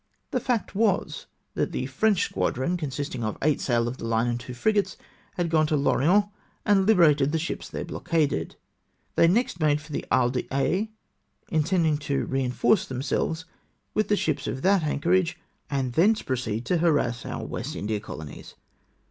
The fact was that the French squadron, consisting of eight sail of the hue and two frigates, had gone to L'Orient, and Hberated the ships there blockaded. They next made for Isle d'Aix, intending further to reinforce themselves with tlie ships at that anchorage, and thence proceed to harass our West India colonies.